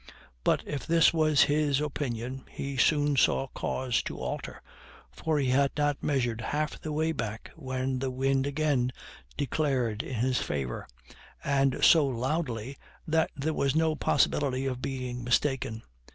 But, if this was his opinion, he soon saw cause to alter; for he had not measured half the way back when the wind again declared in his favor, and so loudly, that there was no possibility of being mistaken.